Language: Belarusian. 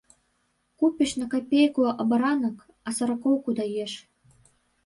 Купіш на капейку абаранак, а саракоўку даеш.